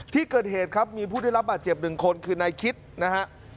ที่เกิดเหตุครับมีผู้ได้รับบาดเจ็บหนึ่งคนคือนายคิดนะฮะ